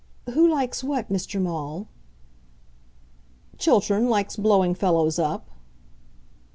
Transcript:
"Who likes what, Mr. Maule?" "Chiltern likes blowing fellows up."